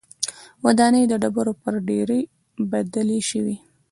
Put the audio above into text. ودانۍ د ډبرو پر ډېرۍ بدلې شوې